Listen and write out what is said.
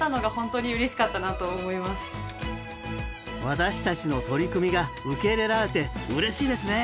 私たちの取り組みが受け入れられてうれしいですね。